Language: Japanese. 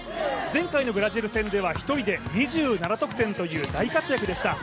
前回のブラジル戦では１人で２７得点という大活躍でした。